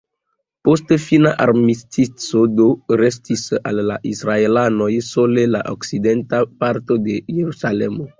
Post fina armistico do restis al la israelanoj sole la okcidenta parto de Jerusalemo.